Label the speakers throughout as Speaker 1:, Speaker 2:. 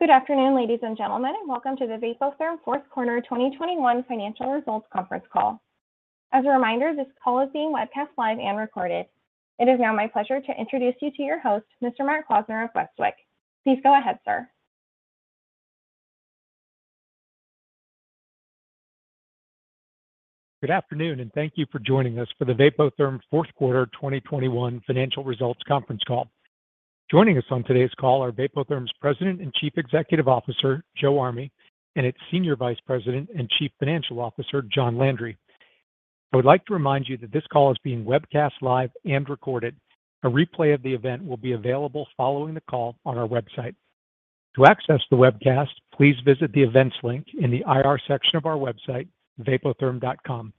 Speaker 1: Good afternoon, ladies and gentlemen, and welcome to the Vapotherm Fourth Quarter 2021 financial results conference call. As a reminder, this call is being webcast live and recorded. It is now my pleasure to introduce you to your host, Mr. Mark Klausner of Westwicke. Please go ahead, sir.
Speaker 2: Good afternoon, and thank you for joining us for the Vapotherm fourth quarter 2021 financial results conference call. Joining us on today's call are Vapotherm's President and Chief Executive Officer, Joe Army, and its Senior Vice President and Chief Financial Officer, John Landry. I would like to remind you that this call is being webcast live and recorded. A replay of the event will be available following the call on our website. To access the webcast please visit the Events link in the IR section of our website, vapotherm.com.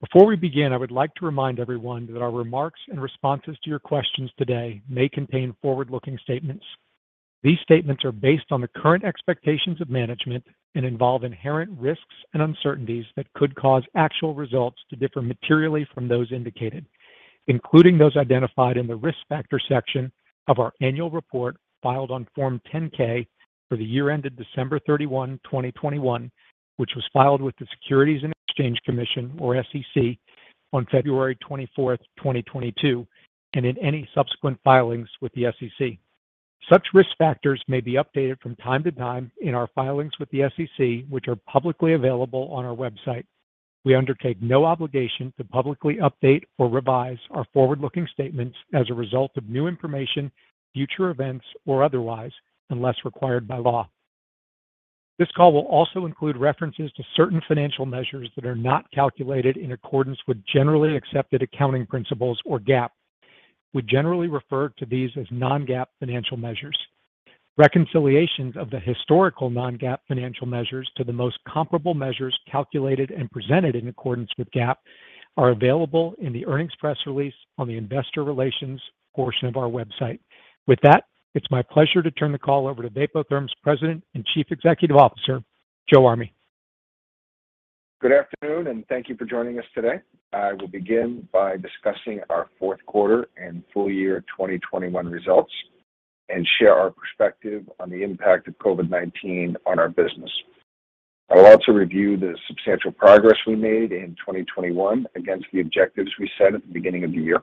Speaker 2: Before we begin, I would like to remind everyone that our remarks and responses to your questions today may contain forward-looking statements. These statements are based on the current expectations of management and involve inherent risks and uncertainties that could cause actual results to differ materially from those indicated, including those identified in the Risk Factor section of our annual report filed on Form 10-K for the year ended December 31, 2021, which was filed with the Securities and Exchange Commission, or SEC, on February 24, 2022, and in any subsequent filings with the SEC. Such risk factors may be updated from time to time in our filings with the SEC, which are publicly available on our website. We undertake no obligation to publicly update or revise our forward-looking statements as a result of new information, future events, or otherwise, unless required by law. This call will also include references to certain financial measures that are not calculated in accordance with generally accepted accounting principles or GAAP. We generally refer to these as non-GAAP financial measures. Reconciliations of the historical non-GAAP financial measures to the most comparable measures calculated and presented in accordance with GAAP are available in the earnings press release on the investor relations portion of our website. With that, it's my pleasure to turn the call over to Vapotherm's President and Chief Executive Officer, Joe Army.
Speaker 3: Good afternoon, and thank you for joining us today. I will begin by discussing our fourth quarter and full year 2021 results and share our perspective on the impact of COVID-19 on our business. I will also review the substantial progress we made in 2021 against the objectives we set at the beginning of the year.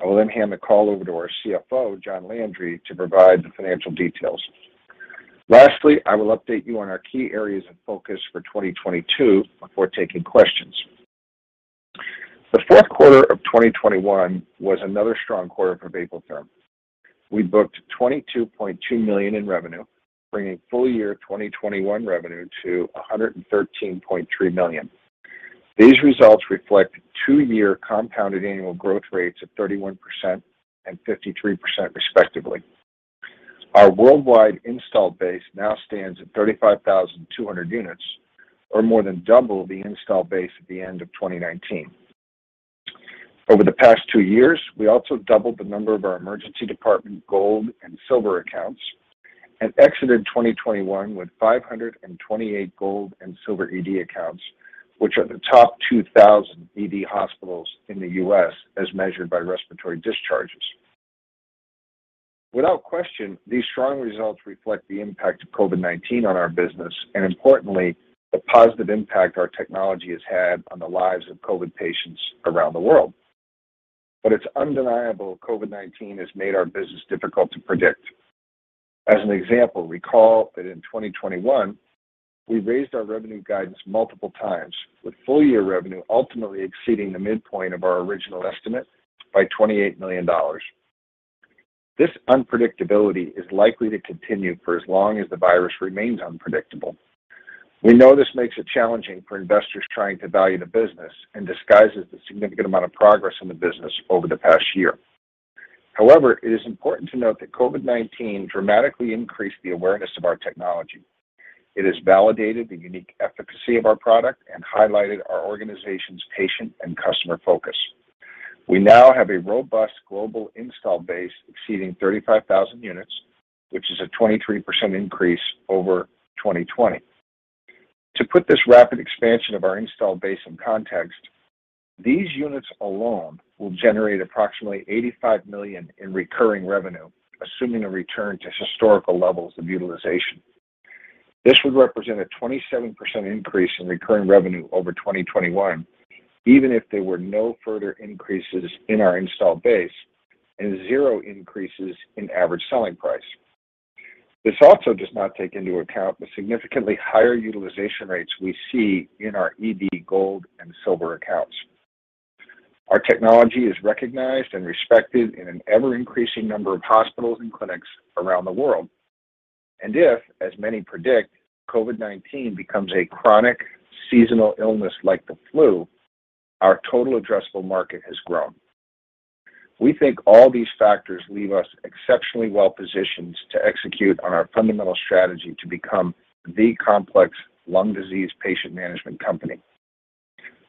Speaker 3: I will then hand the call over to our CFO, John Landry, to provide the financial details. Lastly, I will update you on our key areas of focus for 2022 before taking questions. The fourth quarter of 2021 was another strong quarter for Vapotherm. We booked $22.2 million in revenue, bringing full year 2021 revenue to $113.3 million. These results reflect two-year compounded annual growth rates of 31% and 53% respectively. Our worldwide install base now stands at 35,200 units or more than double the install base at the end of 2019. Over the past two years, we also doubled the number of our emergency department gold and silver accounts and exited 2021 with 528 gold and silver ED accounts, which are the top 2,000 ED hospitals in the U.S. as measured by respiratory discharges. Without question, these strong results reflect the impact of COVID-19 on our business and importantly, the positive impact our technology has had on the lives of COVID patients around the world. It's undeniable COVID-19 has made our business difficult to predict. As an example, recall that in 2021, we raised our revenue guidance multiple times, with full year revenue ultimately exceeding the midpoint of our original estimate by $28 million. This unpredictability is likely to continue for as long as the virus remains unpredictable. We know this makes it challenging for investors trying to value the business and disguises the significant amount of progress in the business over the past year. However, it is important to note that COVID-19 dramatically increased the awareness of our technology. It has validated the unique efficacy of our product and highlighted our organization's patient and customer focus. We now have a robust global install base exceeding 35,000 units, which is a 23% increase over 2020. To put this rapid expansion of our install base in context, these units alone will generate approximately $85 million in recurring revenue, assuming a return to historical levels of utilization. This would represent a 27% increase in recurring revenue over 2021, even if there were no further increases in our install base and 0 increases in average selling price. This also does not take into account the significantly higher utilization rates we see in our ED gold and silver accounts. Our technology is recognized and respected in an ever-increasing number of hospitals and clinics around the world. If, as many predict, COVID-19 becomes a chronic seasonal illness like the flu, our total addressable market has grown. We think all these factors leave us exceptionally well positioned to execute on our fundamental strategy to become the complex lung disease patient management company.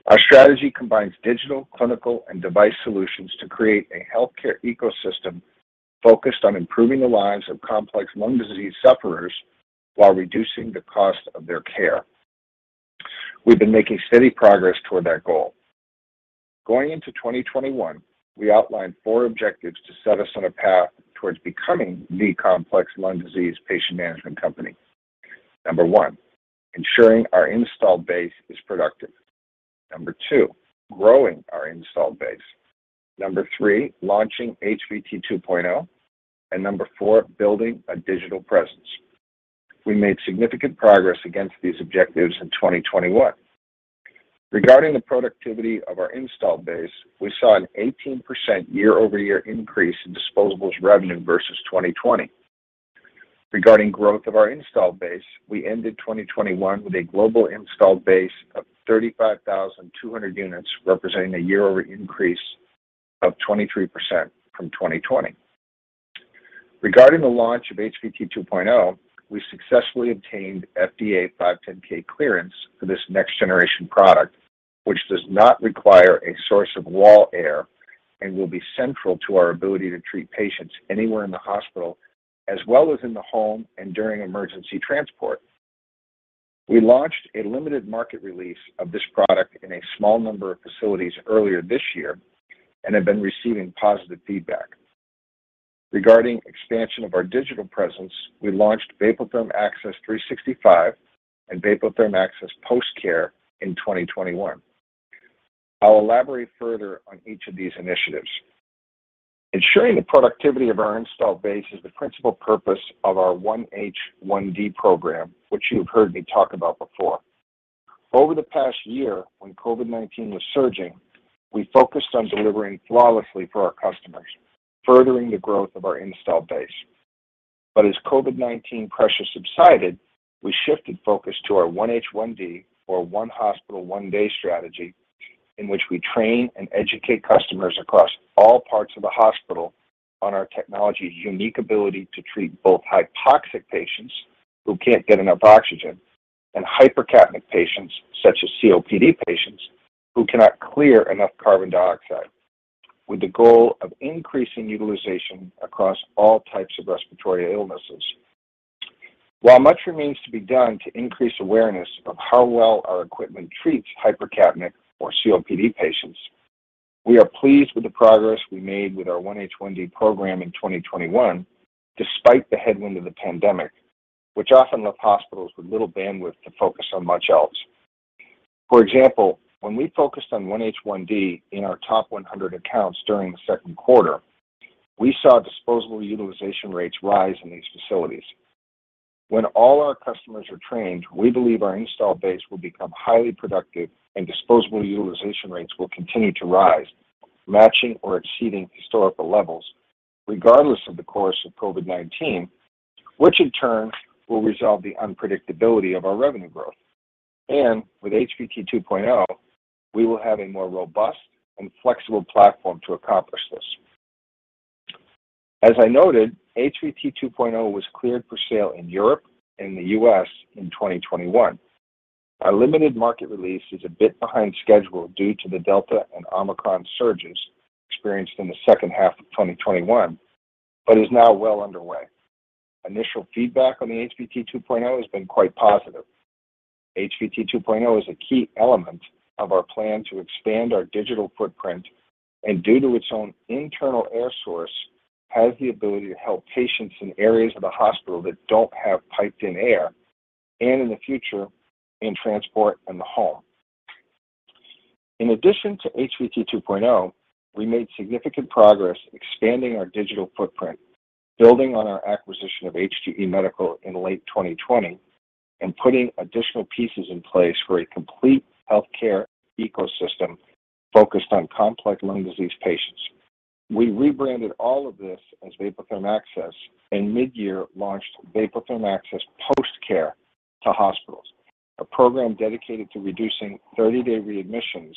Speaker 3: Our strategy combines digital, clinical, and device solutions to create a healthcare ecosystem focused on improving the lives of complex lung disease sufferers while reducing the cost of their care. We've been making steady progress toward that goal. Going into 2021, we outlined four objectives to set us on a path towards becoming the complex lung disease patient management company. Number one, ensuring our installed base is productive. Number two, growing our installed base. Number three, launching HVT 2.0. Number four, building a digital presence. We made significant progress against these objectives in 2021. Regarding the productivity of our installed base, we saw an 18% year-over-year increase in disposables revenue versus 2020. Regarding growth of our installed base, we ended 2021 with a global installed base of 35,200 units, representing a year-over-year increase of 23% from 2020. Regarding the launch of HVT 2.0, we successfully obtained FDA 510(k) clearance for this next generation product, which does not require a source of wall air and will be central to our ability to treat patients anywhere in the hospital as well as in the home and during emergency transport. We launched a limited market release of this product in a small number of facilities earlier this year and have been receiving positive feedback. Regarding expansion of our digital presence, we launched Vapotherm Access 365 and Vapotherm Access Post Care in 2021. I'll elaborate further on each of these initiatives. Ensuring the productivity of our installed base is the principal purpose of our 1H1D program, which you have heard me talk about before. Over the past year when COVID-19 was surging, we focused on delivering flawlessly for our customers, furthering the growth of our installed base. As COVID-19 pressure subsided, we shifted focus to our 1H1D or One Hospital One Day strategy in which we train and educate customers across all parts of the hospital on our technology's unique ability to treat both hypoxic patients who can't get enough oxygen, and hypercapnic patients, such as COPD patients, who cannot clear enough carbon dioxide, with the goal of increasing utilization across all types of respiratory illnesses. While much remains to be done to increase awareness of how well our equipment treats hypercapnic or COPD patients, we are pleased with the progress we made with our 1H1D program in 2021, despite the headwind of the pandemic, which often left hospitals with little bandwidth to focus on much else. For example, when we focused on 1H1D in our top 100 accounts during the second quarter, we saw disposable utilization rates rise in these facilities. When all our customers are trained, we believe our installed base will become highly productive, and disposable utilization rates will continue to rise, matching or exceeding historical levels regardless of the course of COVID-19, which in turn will resolve the unpredictability of our revenue growth. With HVT 2.0, we will have a more robust and flexible platform to accomplish this. As I noted, HVT 2.0 was cleared for sale in Europe and the U.S. in 2021. Our limited market release is a bit behind schedule due to the Delta and Omicron surges experienced in the second half of 2021, but is now well underway. Initial feedback on the HVT 2.0 has been quite positive. HVT 2.0 is a key element of our plan to expand our digital footprint, and due to its own internal air source, has the ability to help patients in areas of the hospital that don't have piped in air and in the future, in transport and the home. In addition to HVT 2.0, we made significant progress expanding our digital footprint, building on our acquisition of HGE Health Care Solutions in late 2020, and putting additional pieces in place for a complete healthcare ecosystem focused on complex lung disease patients. We rebranded all of this as Vapotherm Access and mid-year launched Vapotherm Access Post Care to hospitals, a program dedicated to reducing 30-day readmissions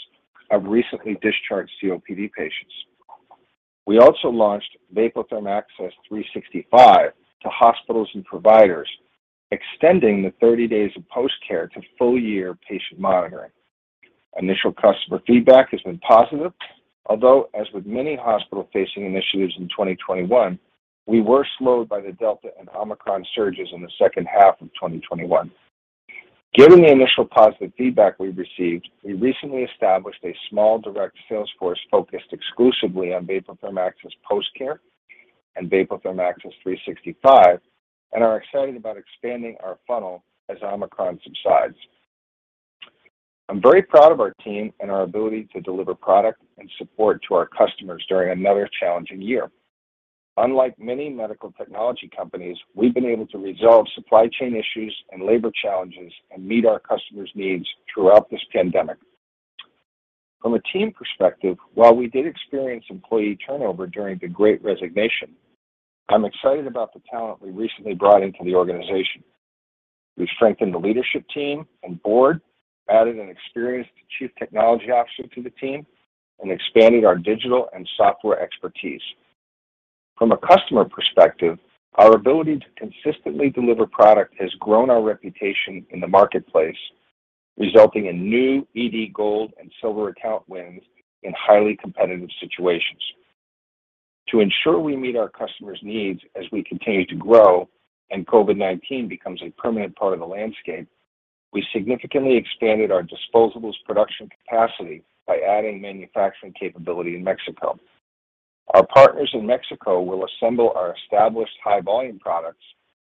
Speaker 3: of recently discharged COPD patients. We also launched Vapotherm Access 365 to hospitals and providers, extending the 30 days of post-care to full year patient monitoring. Initial customer feedback has been positive. Although as with many hospital-facing initiatives in 2021, we were slowed by the Delta and Omicron surges in the second half of 2021. Given the initial positive feedback we received, we recently established a small direct sales force focused exclusively on Vapotherm Access Post Care and Vapotherm Access 365, and are excited about expanding our funnel as Omicron subsides. I'm very proud of our team and our ability to deliver product and support to our customers during another challenging year. Unlike many medical technology companies, we've been able to resolve supply chain issues and labor challenges, and meet our customers' needs throughout this pandemic. From a team perspective, while we did experience employee turnover during the Great Resignation, I'm excited about the talent we recently brought into the organization. We strengthened the leadership team and board, added an experienced chief technology officer to the team, and expanded our digital and software expertise. From a customer perspective, our ability to consistently deliver product has grown our reputation in the marketplace, resulting in new ED gold and silver account wins in highly competitive situations. To ensure we meet our customers' needs as we continue to grow and COVID-19 becomes a permanent part of the landscape, we significantly expanded our disposables production capacity by adding manufacturing capability in Mexico. Our partners in Mexico will assemble our established high-volume products,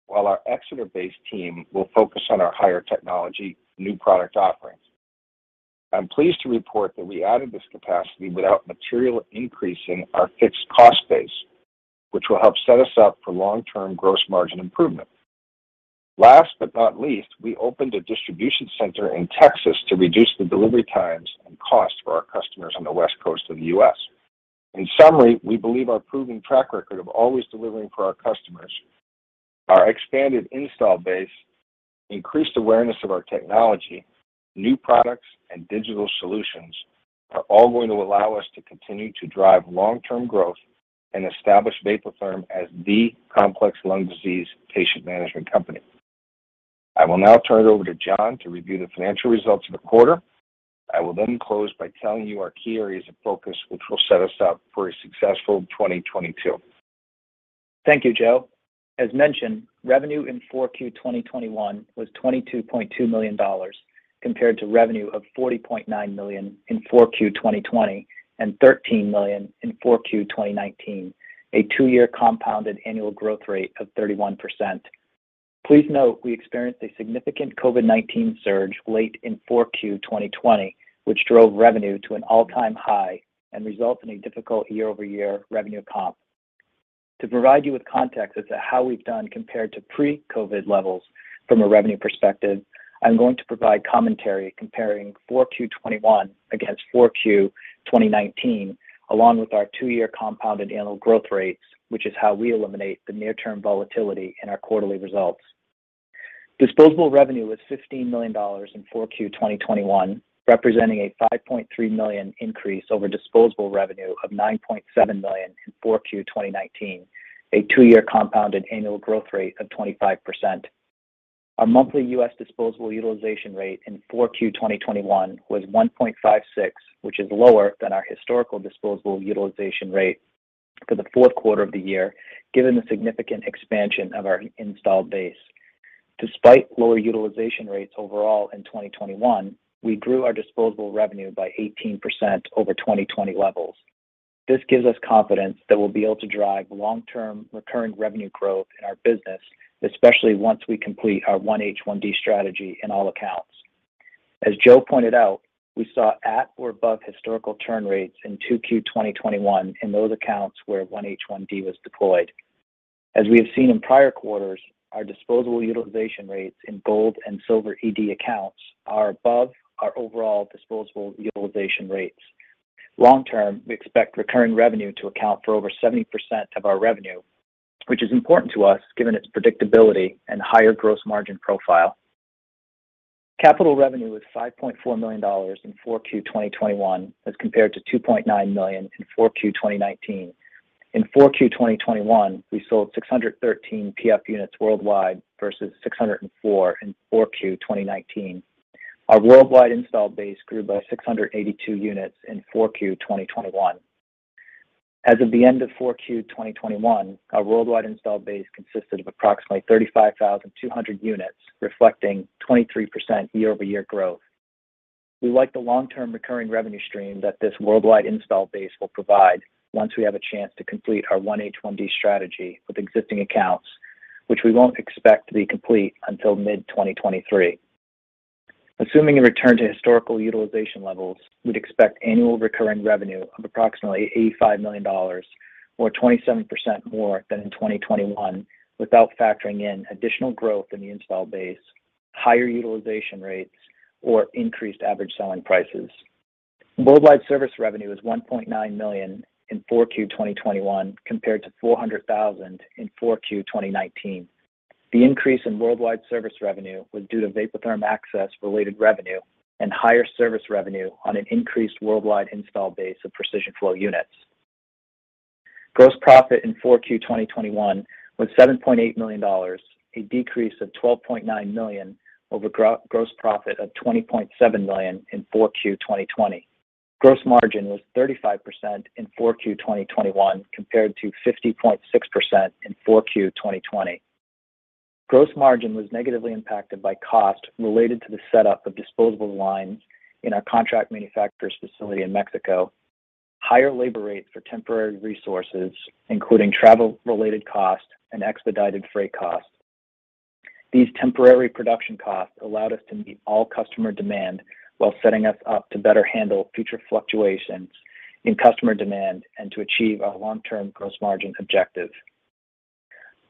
Speaker 3: while our Exeter-based team will focus on our higher technology new product offerings. I'm pleased to report that we added this capacity without material increase in our fixed cost base, which will help set us up for long-term gross margin improvement. Last but not least, we opened a distribution center in Texas to reduce the delivery times and costs for our customers on the West Coast of the U.S. In summary, we believe our proven track record of always delivering for our customers, our expanded install base, increased awareness of our technology, new products, and digital solutions are all going to allow us to continue to drive long-term growth and establish Vapotherm as the complex lung disease patient management company. I will now turn it over to John to review the financial results of the quarter. I will then close by telling you our key areas of focus which will set us up for a successful 2022.
Speaker 4: Thank you, Joe. As mentioned, revenue in 4Q 2021 was $22.2 million compared to revenue of $40.9 million in 4Q 2020 and $13 million in 4Q 2019, a 2-year compounded annual growth rate of 31%. Please note we experienced a significant COVID-19 surge late in 4Q 2020, which drove revenue to an all-time high and results in a difficult year-over-year revenue comp. To provide you with context as to how we've done compared to pre-COVID levels from a revenue perspective, I'm going to provide commentary comparing 4Q 2021 against 4Q 2019 along with our 2-year compounded annual growth rates, which is how we eliminate the near-term volatility in our quarterly results. Disposable revenue was $15 million in 4Q 2021, representing a $5.3 million increase over disposable revenue of $9.7 million in 4Q 2019, a two-year compounded annual growth rate of 25%. Our monthly U.S. disposable utilization rate in Q4 2021 was 1.56, which is lower than our historical disposable utilization rate for the fourth quarter of the year, given the significant expansion of our installed base. Despite lower utilization rates overall in 2021, we grew our disposable revenue by 18% over 2020 levels. This gives us confidence that we'll be able to drive long-term recurring revenue growth in our business, especially once we complete our 1H1D strategy in all accounts. As Joe pointed out, we saw at or above historical churn rates in 2Q 2021 in those accounts where 1H1D was deployed. As we have seen in prior quarters, our disposable utilization rates in gold and silver ED accounts are above our overall disposable utilization rates. Long term, we expect recurring revenue to account for over 70% of our revenue, which is important to us given its predictability and higher gross margin profile. Capital revenue was $5.4 million in 4Q 2021 as compared to $2.9 million in 4Q 2019. In 4Q 2021, we sold 613 PF units worldwide versus 604 in 4Q 2019. Our worldwide installed base grew by 682 units in 4Q 2021. As of the end of 4Q 2021, our worldwide installed base consisted of approximately 35,200 units, reflecting 23% year-over-year growth. We like the long-term recurring revenue stream that this worldwide installed base will provide once we have a chance to complete our 1H1D strategy with existing accounts, which we don't expect to be complete until mid-2023. Assuming a return to historical utilization levels, we'd expect annual recurring revenue of approximately $85 million or 27% more than in 2021 without factoring in additional growth in the installed base, higher utilization rates, or increased average selling prices. Worldwide service revenue was $1.9 million in 4Q 2021 compared to $400,000 in 4Q 2019. The increase in worldwide service revenue was due to Vapotherm Access-related revenue and higher service revenue on an increased worldwide install base of Precision Flow units. Gross profit in 4Q 2021 was $7.8 million, a decrease of $12.9 million over gross profit of $20.7 million in Q4 2020. Gross margin was 35% in 4Q 2021 compared to 50.6% in Q4 2020. Gross margin was negatively impacted by cost related to the setup of disposable lines in our contract manufacturer's facility in Mexico, higher labor rates for temporary resources, including travel-related costs and expedited freight costs. These temporary production costs allowed us to meet all customer demand while setting us up to better handle future fluctuations in customer demand and to achieve our long-term gross margin objective.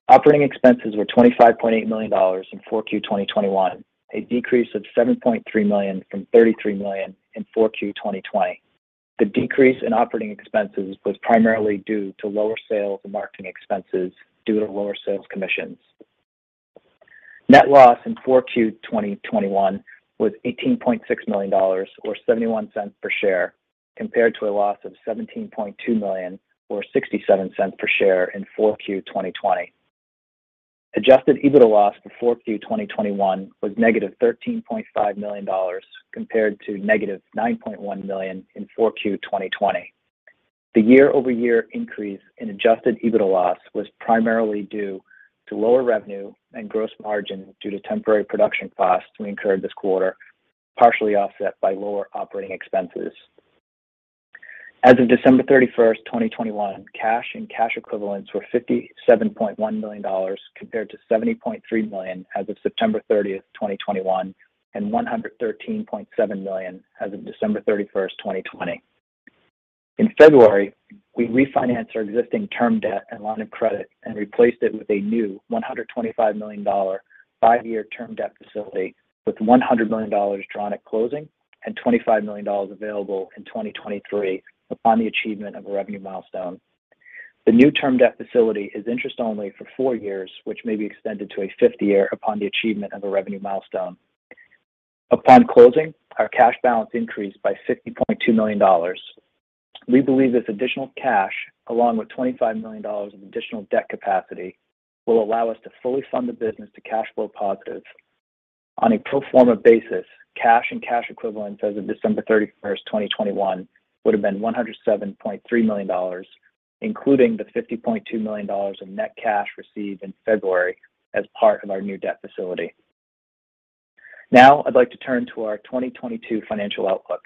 Speaker 4: Operating expenses were $25.8 million in 4Q 2021, a decrease of $7.3 million from $33 million in 4Q 2020. The decrease in operating expenses was primarily due to lower sales and marketing expenses due to lower sales commissions. Net loss in 4Q 2021 was $18.6 million or $0.71 per share compared to a loss of $17.2 million or $0.67 per share in 4Q 2020. adjusted EBITDA loss for 4Q 2021 was -$13.5 million, compared to -$9.1 million in 4Q 2020. The year-over-year increase in adjusted EBITDA loss was primarily due to lower revenue and gross margin due to temporary production costs we incurred this quarter, partially offset by lower operating expenses. As of December 31, 2021, cash and cash equivalents were $57.1 million, compared to $70.3 million as of September 30, 2021, and $113.7 million as of December 31, 2020. In February, we refinanced our existing term debt and line of credit and replaced it with a new $125 million five-year term debt facility with $100 million drawn at closing and $25 million available in 2023 upon the achievement of a revenue milestone. The new term debt facility is interest only for 4 years, which may be extended to a fifth year upon the achievement of a revenue milestone. Upon closing, our cash balance increased by $50.2 million. We believe this additional cash, along with $25 million of additional debt capacity, will allow us to fully fund the business to cash flow positive. On a pro forma basis, cash and cash equivalents as of December 31, 2021, would have been $107.3 million, including the $50.2 million of net cash received in February as part of our new debt facility. Now I'd like to turn to our 2022 financial outlook.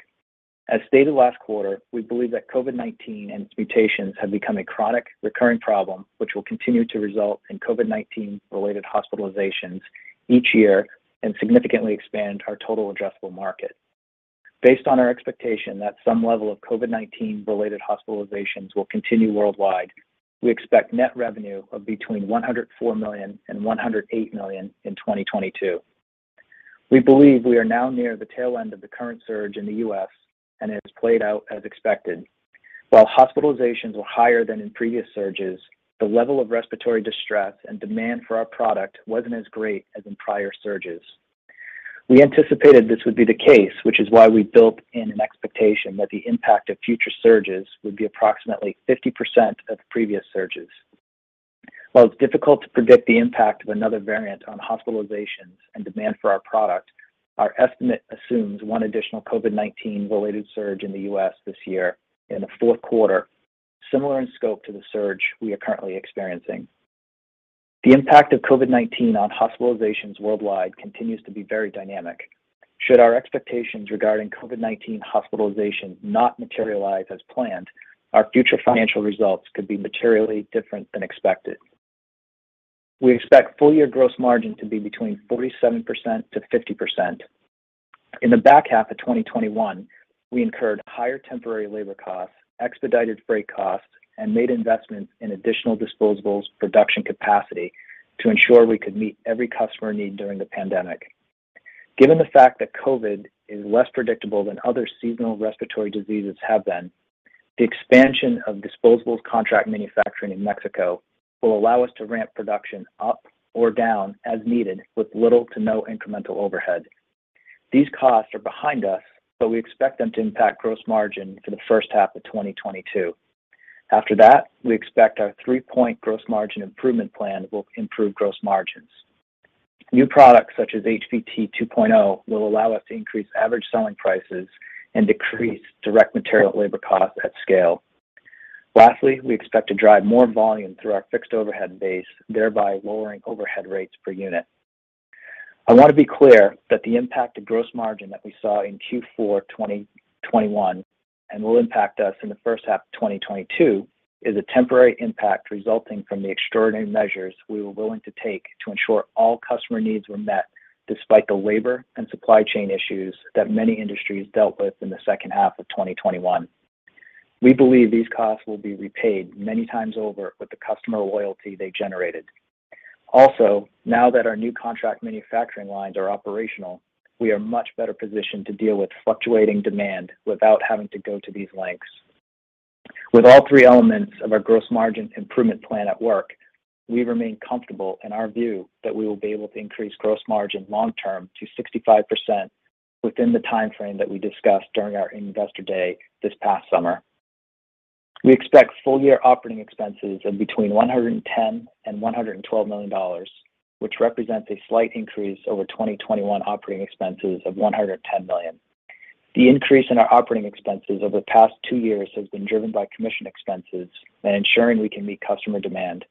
Speaker 4: As stated last quarter, we believe that COVID-19 and its mutations have become a chronic recurring problem, which will continue to result in COVID-19 related hospitalizations each year and significantly expand our total addressable market. Based on our expectation that some level of COVID-19 related hospitalizations will continue worldwide, we expect net revenue of between $104 million and $108 million in 2022. We believe we are now near the tail end of the current surge in the U.S. and it has played out as expected. While hospitalizations were higher than in previous surges, the level of respiratory distress and demand for our product wasn't as great as in prior surges. We anticipated this would be the case, which is why we built in an expectation that the impact of future surges would be approximately 50% of previous surges. While it's difficult to predict the impact of another variant on hospitalizations and demand for our product, our estimate assumes one additional COVID-19 related surge in the U.S. this year in the fourth quarter, similar in scope to the surge we are currently experiencing. The impact of COVID-19 on hospitalizations worldwide continues to be very dynamic. Should our expectations regarding COVID-19 hospitalizations not materialize as planned, our future financial results could be materially different than expected. We expect full year gross margin to be between 47%-50%. In the back half of 2021, we incurred higher temporary labor costs, expedited freight costs, and made investments in additional disposables production capacity to ensure we could meet every customer need during the pandemic. Given the fact that COVID is less predictable than other seasonal respiratory diseases have been, the expansion of disposables contract manufacturing in Mexico will allow us to ramp production up or down as needed with little to no incremental overhead. These costs are behind us, but we expect them to impact gross margin for the first half of 2022. After that, we expect our three-point gross margin improvement plan will improve gross margins. New products such as HVT 2.0 will allow us to increase average selling prices and decrease direct material labor costs at scale. Lastly, we expect to drive more volume through our fixed overhead base, thereby lowering overhead rates per unit. I want to be clear that the impact to gross margin that we saw in Q4 2021 and will impact us in the first half of 2022 is a temporary impact resulting from the extraordinary measures we were willing to take to ensure all customer needs were met despite the labor and supply chain issues that many industries dealt with in the second half of 2021. We believe these costs will be repaid many times over with the customer loyalty they generated. Also, now that our new contract manufacturing lines are operational, we are much better positioned to deal with fluctuating demand without having to go to these lengths. With all three elements of our gross margin improvement plan at work, we remain comfortable in our view that we will be able to increase gross margin long term to 65% within the time frame that we discussed during our Investor Day this past summer. We expect full year operating expenses of between $110 million and $112 million, which represents a slight increase over 2021 operating expenses of $110 million. The increase in our operating expenses over the past two years has been driven by commission expenses and ensuring we can meet customer demand.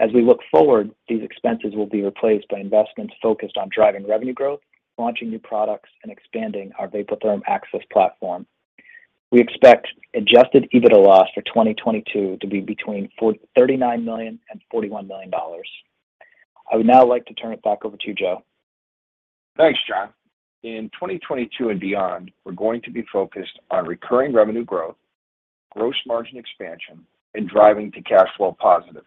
Speaker 4: As we look forward, these expenses will be replaced by investments focused on driving revenue growth, launching new products, and expanding our Vapotherm Access platform. We expect adjusted EBITDA loss for 2022 to be between $39 million and $41 million. I would now like to turn it back over to you, Joe.
Speaker 3: Thanks, John. In 2022 and beyond, we're going to be focused on recurring revenue growth, gross margin expansion, and driving to cash flow positive.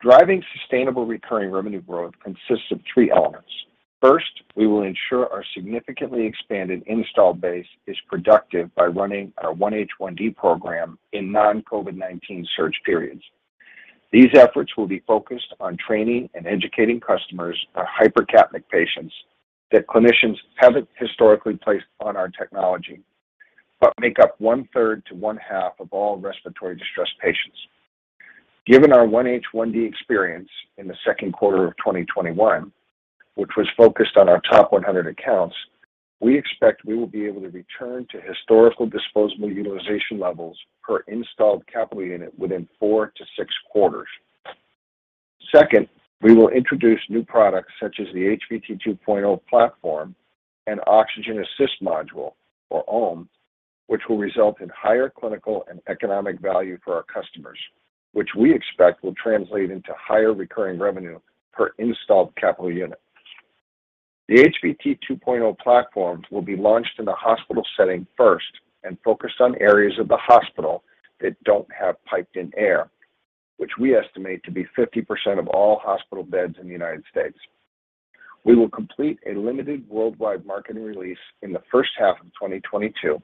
Speaker 3: Driving sustainable recurring revenue growth consists of three elements. First, we will ensure our significantly expanded installed base is productive by running our 1H1D program in non-COVID-19 surge periods. These efforts will be focused on training and educating customers on hypercapnic patients that clinicians haven't historically placed on our technology but make up one third to one half of all respiratory distress patients. Given our 1H1D experience in the second quarter of 2021, which was focused on our top 100 accounts, we expect we will be able to return to historical disposable utilization levels per installed capital unit within 4-6 quarters. Second, we will introduce new products such as the HVT 2.0 platform and Oxygen Assist Module or OAM, which will result in higher clinical and economic value for our customers, which we expect will translate into higher recurring revenue per installed capital unit. The HVT 2.0 platform will be launched in the hospital setting first and focus on areas of the hospital that don't have piped in air, which we estimate to be 50% of all hospital beds in the U.S. We will complete a limited worldwide marketing release in the first half of 2022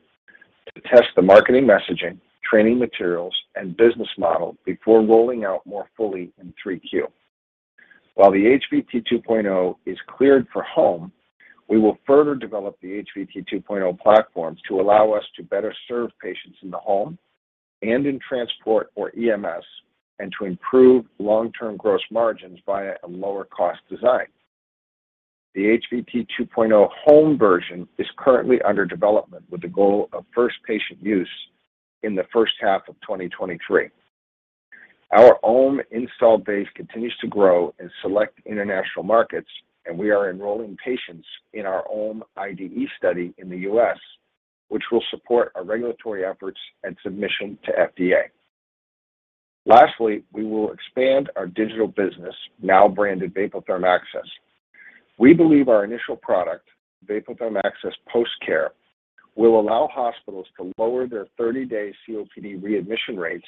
Speaker 3: to test the marketing messaging, training materials, and business model before rolling out more fully in 3Q. While the HVT 2.0 is cleared for home, we will further develop the HVT 2.0 platform to allow us to better serve patients in the home and in transport or EMS, and to improve long-term gross margins via a lower cost design. The HVT 2.0 home version is currently under development with the goal of first patient use in the first half of 2023. Our own installed base continues to grow in select international markets, and we are enrolling patients in our own IDE study in the U.S., which will support our regulatory efforts and submission to FDA. Lastly, we will expand our digital business now branded Vapotherm Access. We believe our initial product, Vapotherm Access Post Care, will allow hospitals to lower their 30-day COPD readmission rates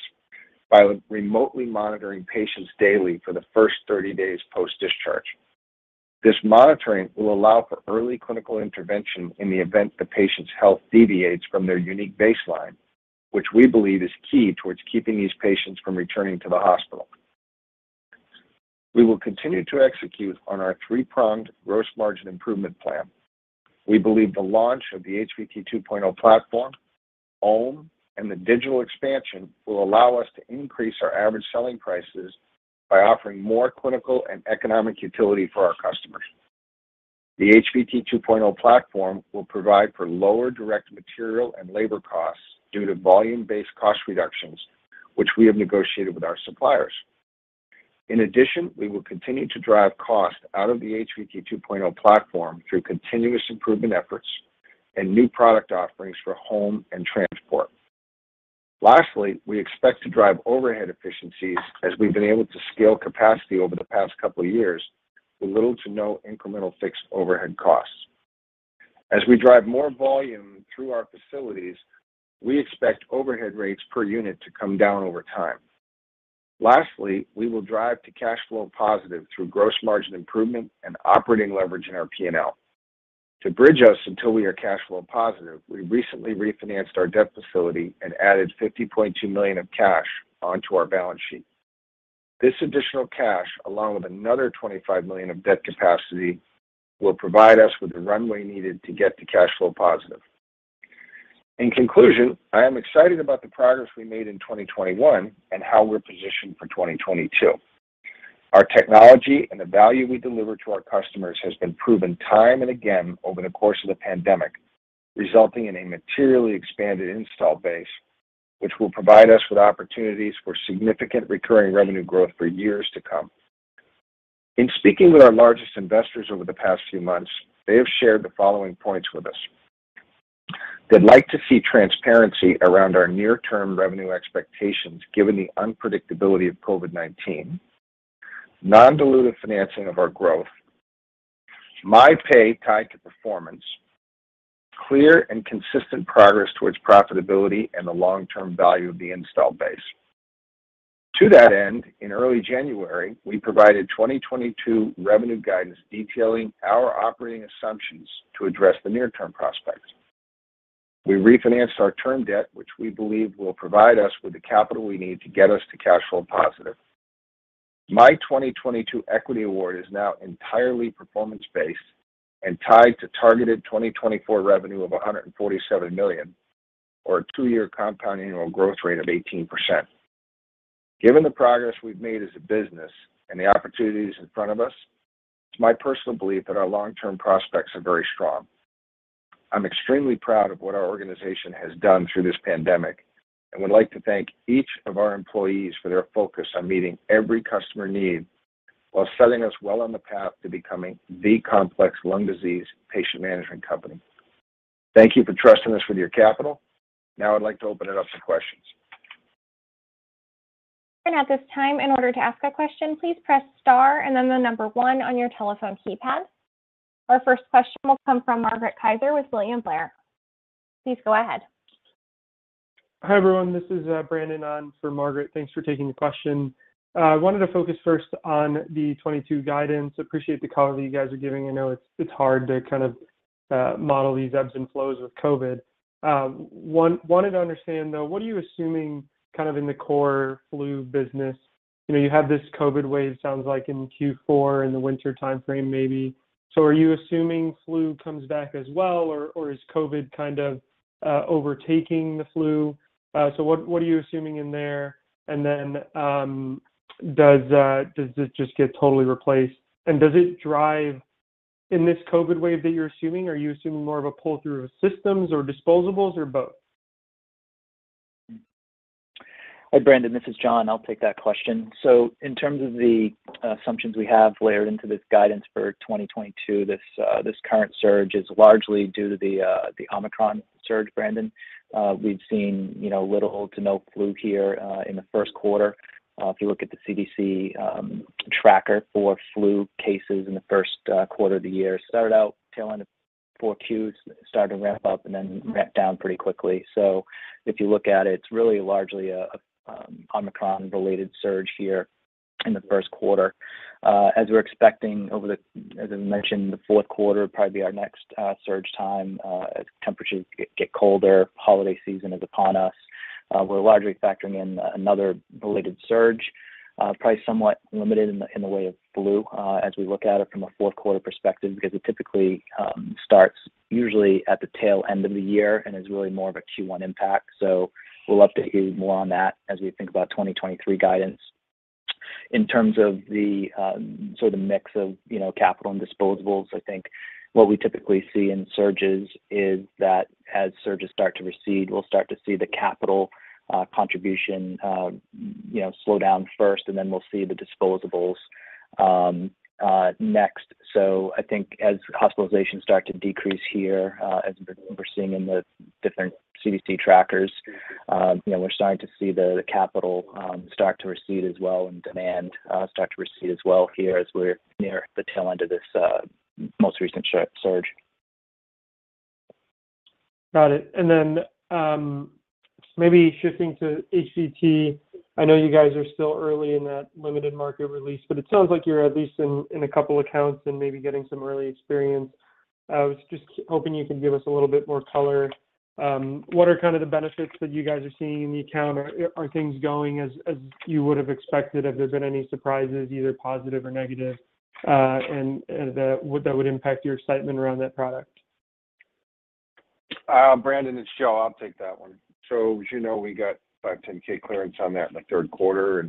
Speaker 3: by remotely monitoring patients daily for the first 30 days post-discharge. This monitoring will allow for early clinical intervention in the event the patient's health deviates from their unique baseline, which we believe is key towards keeping these patients from returning to the hospital. We will continue to execute on our three-pronged gross margin improvement plan. We believe the launch of the HVT 2.0 platform, OAM, and the digital expansion will allow us to increase our average selling prices by offering more clinical and economic utility for our customers. The HVT 2.0 platform will provide for lower direct material and labor costs due to volume-based cost reductions, which we have negotiated with our suppliers. In addition, we will continue to drive cost out of the HVT 2.0 platform through continuous improvement efforts and new product offerings for home and transport. Lastly, we expect to drive overhead efficiencies as we've been able to scale capacity over the past couple of years with little to no incremental fixed overhead costs. As we drive more volume through our facilities, we expect overhead rates per unit to come down over time. Lastly, we will drive to cash flow positive through gross margin improvement and operating leverage in our P&L. To bridge us until we are cash flow positive, we recently refinanced our debt facility and added $50.2 million of cash onto our balance sheet. This additional cash, along with another $25 million of debt capacity, will provide us with the runway needed to get to cash flow positive. In conclusion, I am excited about the progress we made in 2021 and how we're positioned for 2022. Our technology and the value we deliver to our customers has been proven time and again over the course of the pandemic, resulting in a materially expanded install base, which will provide us with opportunities for significant recurring revenue growth for years to come. In speaking with our largest investors over the past few months, they have shared the following points with us. They'd like to see transparency around our near-term revenue expectations given the unpredictability of COVID-19, non-dilutive financing of our growth, my pay tied to performance, clear and consistent progress towards profitability, and the long-term value of the installed base. To that end, in early January, we provided 2022 revenue guidance detailing our operating assumptions to address the near-term prospects. We refinanced our term debt, which we believe will provide us with the capital we need to get us to cash flow positive. My 2022 equity award is now entirely performance-based and tied to targeted 2024 revenue of $147 million or a two-year compounding annual growth rate of 18%. Given the progress we've made as a business and the opportunities in front of us, it's my personal belief that our long-term prospects are very strong. I'm extremely proud of what our organization has done through this pandemic, and would like to thank each of our employees for their focus on meeting every customer need while setting us well on the path to becoming the complex lung disease patient management company. Thank you for trusting us with your capital. Now I'd like to open it up to questions.
Speaker 1: At this time, in order to ask a question, please press star and then the number one on your telephone keypad. Our first question will come from Margaret Kaczor with William Blair. Please go ahead.
Speaker 5: Hi, everyone. This is Brandon on for Margaret. Thanks for taking the question. I wanted to focus first on the 2022 guidance. Appreciate the color that you guys are giving. I know it's hard to kind of model these ebbs and flows with COVID. Wanted to understand, though, what are you assuming kind of in the core flu business? You know, you have this COVID wave, sounds like in Q4, in the winter timeframe maybe. Are you assuming flu comes back as well, or is COVID kind of overtaking the flu? What are you assuming in there? Does this just get totally replaced? In this COVID wave that you're assuming, are you assuming more of a pull-through of systems or disposables or both?
Speaker 4: Hi, Brandon. This is John. I'll take that question. In terms of the assumptions we have layered into this guidance for 2022, this current surge is largely due to the Omicron surge, Brandon. We've seen, you know, little to no flu here in the first quarter. If you look at the CDC tracker for flu cases in the first quarter of the year, it started out tail end of 4Q's, started to ramp up and then ramped down pretty quickly. If you look at it's really largely a Omicron-related surge here in the first quarter. As we're expecting, as I mentioned, the fourth quarter, probably our next surge time as temperatures get colder, holiday season is upon us. We're largely factoring in another related surge, probably somewhat limited in the way of flu, as we look at it from a fourth quarter perspective, because it typically starts usually at the tail end of the year and is really more of a Q1 impact. We'll update you more on that as we think about 2023 guidance. In terms of the sort of mix of, you know, capital and disposables, I think what we typically see in surges is that as surges start to recede, we'll start to see the capital contribution, you know, slow down first, and then we'll see the disposables next. I think as hospitalizations start to decrease here, as we're seeing in the different CDC trackers, you know, we're starting to see the capital start to recede as well and demand start to recede as well here as we're near the tail end of this most recent surge.
Speaker 5: Got it. Then, maybe shifting to HVT. I know you guys are still early in that limited market release, but it sounds like you're at least in a couple accounts and maybe getting some early experience. I was just hoping you could give us a little bit more color. What are kind of the benefits that you guys are seeing in the account? Are things going as you would have expected? Have there been any surprises, either positive or negative, and that would impact your excitement around that product?
Speaker 3: Brandon, it's Joe. I'll take that one. As you know, we got 510(k) clearance on that in the third quarter.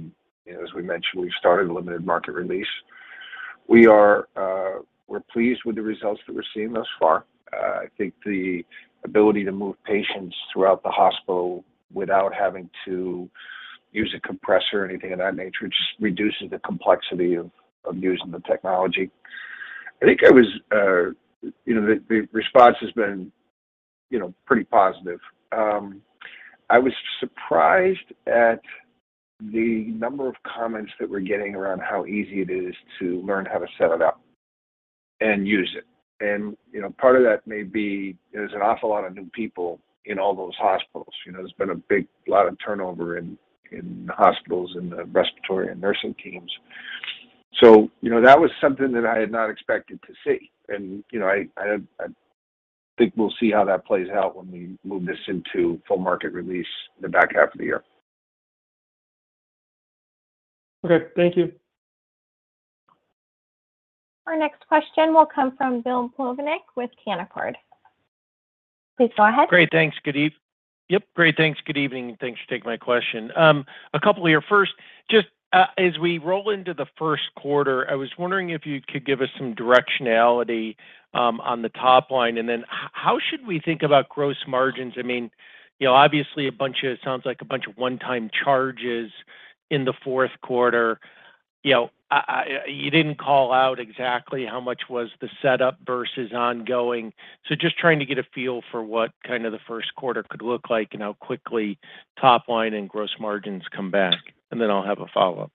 Speaker 3: As we mentioned, we started a limited market release. We're pleased with the results that we're seeing thus far. I think the ability to move patients throughout the hospital without having to use a compressor or anything of that nature just reduces the complexity of using the technology. I think the response has been, you know, pretty positive. I was surprised at the number of comments that we're getting around how easy it is to learn how to set it up and use it. You know, part of that may be there's an awful lot of new people in all those hospitals. You know, there's been a big lot of turnover in hospitals in the respiratory and nursing teams. You know, that was something that I had not expected to see. You know, I think we'll see how that plays out when we move this into full market release in the back half of the year.
Speaker 5: Okay, thank you.
Speaker 1: Our next question will come from Bill Plovanic with Canaccord. Please go ahead.
Speaker 6: Great, thanks. Good evening. Thanks for taking my question. A couple here. First, just, as we roll into the first quarter, I was wondering if you could give us some directionality on the top line. Then how should we think about gross margins? I mean, you know, obviously sounds like a bunch of one-time charges in the fourth quarter. You know, you didn't call out exactly how much was the setup versus ongoing. Just trying to get a feel for what kind of the first quarter could look like and how quickly top line and gross margins come back. Then I'll have a follow-up.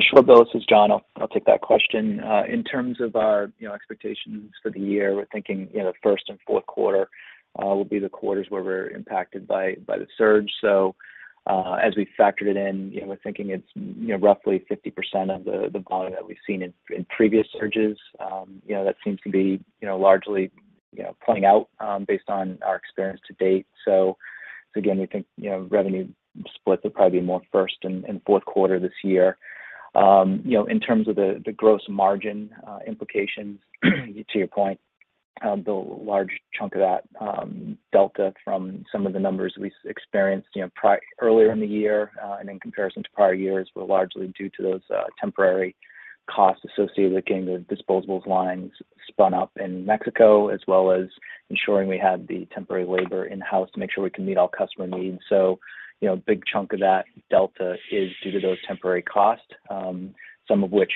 Speaker 4: Sure, Bill. This is John. I'll take that question. In terms of our, you know, expectations for the year, we're thinking, you know, first and fourth quarter will be the quarters where we're impacted by the surge. As we factored it in, you know, we're thinking it's, you know, roughly 50% of the volume that we've seen in previous surges. You know, that seems to be, you know, largely, you know, panning out based on our experience to date. Again, we think, you know, revenue split will probably be more first and fourth quarter this year. You know, in terms of the gross margin implications, to your point, Bill, large chunk of that delta from some of the numbers we experienced, you know, earlier in the year, and in comparison to prior years were largely due to those temporary costs associated with getting the disposables lines spun up in Mexico, as well as ensuring we had the temporary labor in-house to make sure we can meet all customer needs. You know, a big chunk of that delta is due to those temporary costs, some of which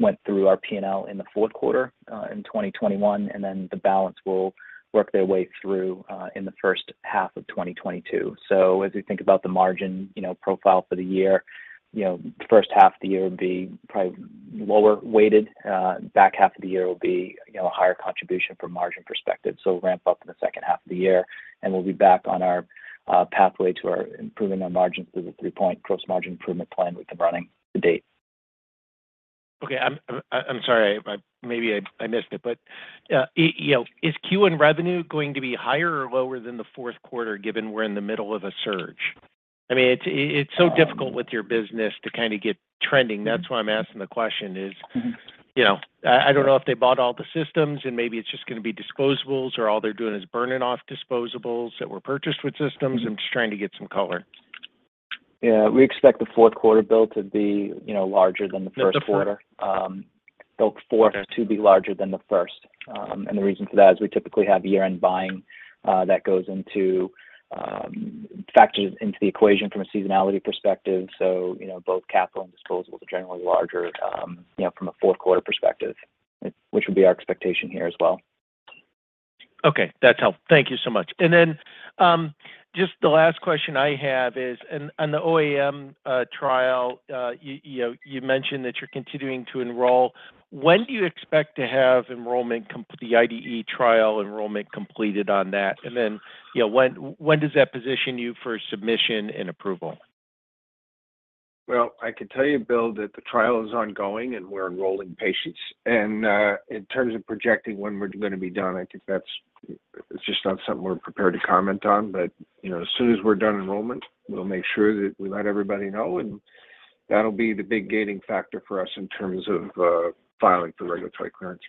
Speaker 4: went through our P&L in the fourth quarter in 2021, and then the balance will work their way through in the first half of 2022. As we think about the margin, you know, profile for the year, you know, the first half of the year would be probably lower weighted. Back half of the year will be, you know, a higher contribution from margin perspective. Ramp up in the second half of the year, and we'll be back on our pathway to improving our margins through the three-point gross margin improvement plan we've been running to date.
Speaker 6: Okay. I'm sorry. Maybe I missed it, but you know, is Q1 revenue going to be higher or lower than the fourth quarter, given we're in the middle of a surge? I mean, it's so difficult with your business to kind of get trending. That's why I'm asking the question, is-
Speaker 4: Mm-hmm
Speaker 6: you know, I don't know if they bought all the systems and maybe it's just gonna be disposables, or all they're doing is burning off disposables that were purchased with systems. I'm just trying to get some color.
Speaker 4: Yeah. We expect the fourth quarter, Bill, to be, you know, larger than the first quarter.
Speaker 6: The, the fir-
Speaker 4: Fourth to be larger than the first. The reason for that is we typically have year-end buying that factors into the equation from a seasonality perspective. You know, both capital and disposables are generally larger, you know, from a fourth quarter perspective, which would be our expectation here as well.
Speaker 6: Okay. That's helped. Thank you so much. Just the last question I have is on the OAM trial. You know, you mentioned that you're continuing to enroll. When do you expect to have the IDE trial enrollment completed on that? You know, when does that position you for submission and approval?
Speaker 3: Well, I can tell you, Bill, that the trial is ongoing and we're enrolling patients. In terms of projecting when we're gonna be done, I think it's just not something we're prepared to comment on. You know, as soon as we're done enrollment, we'll make sure that we let everybody know, and that'll be the big gating factor for us in terms of filing for regulatory clearance.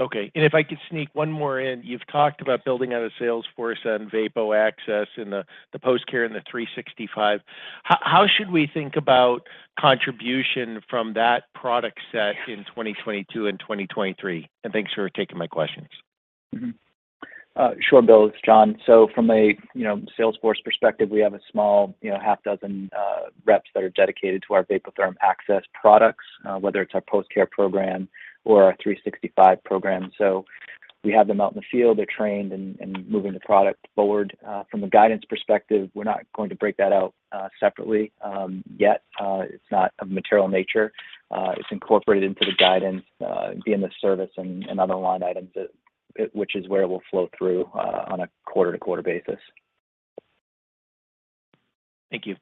Speaker 6: Okay. If I could sneak one more in. You've talked about building out a sales force on Vapotherm Access and the Post Care and the 365. How should we think about contribution from that product set in 2022 and 2023? Thanks for taking my questions.
Speaker 4: Sure, Bill. It's John. From a sales force perspective, we have a small, you know, 6 reps that are dedicated to our Vapotherm Access products, whether it's our Post Care program or our 365 program. We have them out in the field. They're trained and moving the product forward. From a guidance perspective, we're not going to break that out separately yet. It's not of material nature. It's incorporated into the guidance via the service and other line items, which is where it will flow through on a quarter-to-quarter basis.
Speaker 6: Thank you.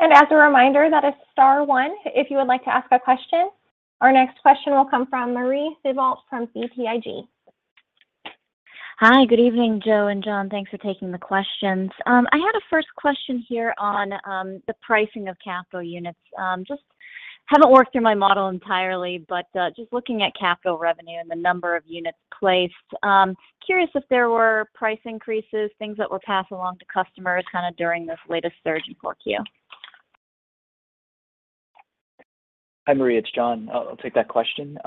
Speaker 1: As a reminder, that is star one if you would like to ask a question. Our next question will come from Marie Thibault from BTIG.
Speaker 7: Hi. Good evening, Joe and John. Thanks for taking the questions. I had a first question here on the pricing of capital units. Just haven't worked through my model entirely, but just looking at capital revenue and the number of units placed, curious if there were price increases, things that were passed along to customers kind of during this latest surge in 4Q?
Speaker 4: Hi, Marie. It's John. I'll take that question.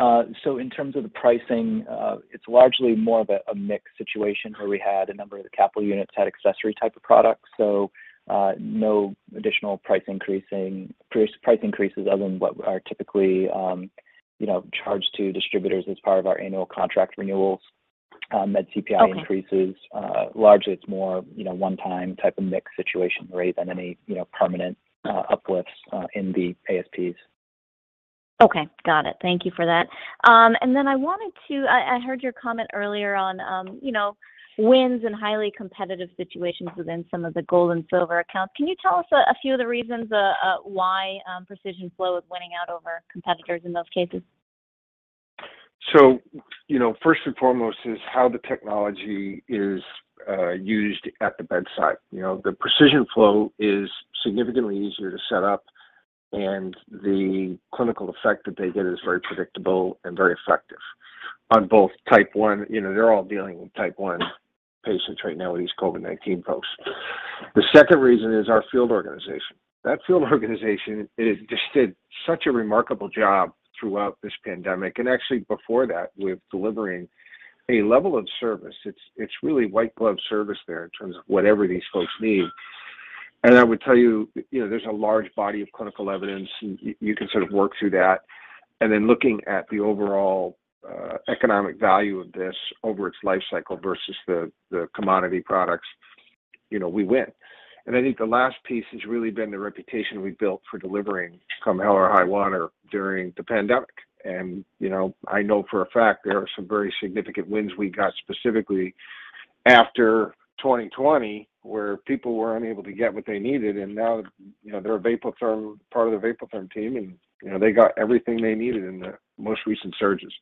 Speaker 4: So in terms of the pricing, it's largely more of a mix situation where we had a number of the capital units had accessory type of products, so no additional price increases other than what are typically, you know, charged to distributors as part of our annual contract renewals. That CPI-
Speaker 7: Okay...
Speaker 4: increases. Largely it's more, you know, one-time type of mix situation really than any, you know, permanent uplifts in the ASPs.
Speaker 7: Okay. Got it. Thank you for that. I heard your comment earlier on, you know, wins in highly competitive situations within some of the gold and silver accounts. Can you tell us a few of the reasons why Precision Flow is winning out over competitors in those cases?
Speaker 3: You know, first and foremost is how the technology is used at the bedside. You know, the Precision Flow is significantly easier to set up, and the clinical effect that they get is very predictable and very effective on both type one. You know, they're all dealing with type one patients right now with these COVID-19 folks. The second reason is our field organization. That field organization has just did such a remarkable job throughout this pandemic, and actually before that, with delivering a level of service, it's really white glove service there in terms of whatever these folks need. I would tell you know, there's a large body of clinical evidence, and you can sort of work through that. Looking at the overall, economic value of this over its life cycle versus the commodity products, you know, we win. I think the last piece has really been the reputation we've built for delivering come hell or high water during the pandemic. You know, I know for a fact there are some very significant wins we got specifically after 2020, where people were unable to get what they needed and now, you know, they're a Vapotherm, part of the Vapotherm team and, you know, they got everything they needed in the most recent surges.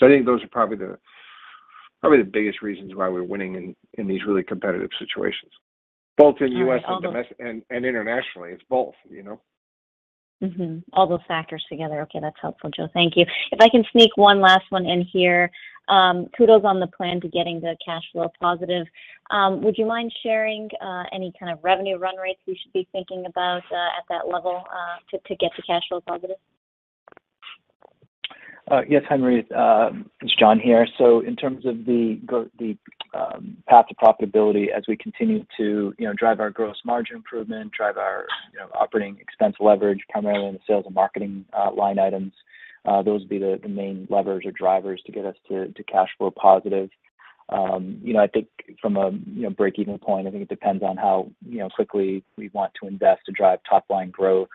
Speaker 3: I think those are probably the biggest reasons why we're winning in these really competitive situations, both in US-
Speaker 7: All those-
Speaker 3: domestic and internationally. It's both, you know?
Speaker 7: All those factors together. Okay, that's helpful, Joe. Thank you. If I can sneak one last one in here. Kudos on the plan to getting to cash flow positive. Would you mind sharing any kind of revenue run rates we should be thinking about at that level to get to cash flow positive?
Speaker 4: Yes, hi, Marie. It's John here. In terms of the path to profitability as we continue to, you know, drive our gross margin improvement, drive our, you know, operating expense leverage primarily in the sales and marketing line items, those would be the main levers or drivers to get us to cash flow positive. You know, I think from a, you know, break-even point, I think it depends on how, you know, quickly we want to invest to drive top-line growth,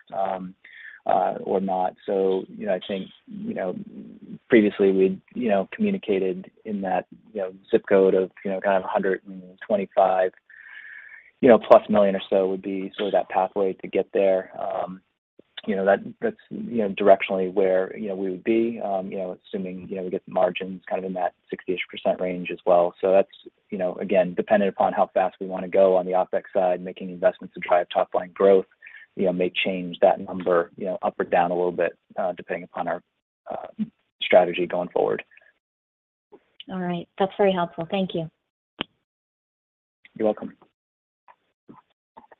Speaker 4: or not. You know, I think, you know, previously we'd, you know, communicated in that zip code of, you know, kind of $125 million or so would be sort of that pathway to get there. You know, that's you know, directionally where, you know, we would be, you know, assuming, you know, we get the margins kind of in that 60-ish % range as well. That's, you know, again, dependent upon how fast we wanna go on the OpEx side, making investments to drive top-line growth, you know, may change that number, you know, up or down a little bit, depending upon our strategy going forward.
Speaker 7: All right. That's very helpful. Thank you.
Speaker 4: You're welcome.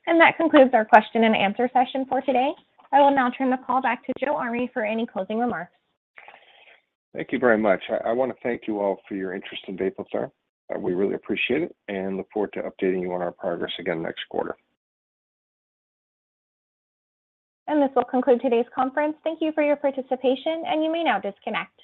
Speaker 1: That concludes our question and answer session for today. I will now turn the call back to Joe Army for any closing remarks.
Speaker 3: Thank you very much. I wanna thank you all for your interest in Vapotherm. We really appreciate it and look forward to updating you on our progress again next quarter.
Speaker 1: This will conclude today's conference. Thank you for your participation, and you may now disconnect.